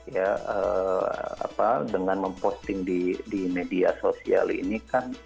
ya apa dengan memposting di media sosial ini kan